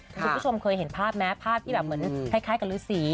คุณผู้ชมเคยเห็นภาพไหมภาพที่แบบเหมือนคล้ายกับฤษี